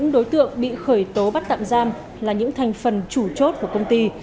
bốn đối tượng bị khởi tố bắt tạm giam là những thành phần chủ chốt của công ty